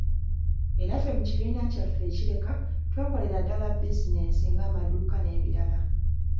Era ffe mu kibiina kyaffe e Kireka, twakolera ddala bizinensi ng’amaduuka, n’ebirala.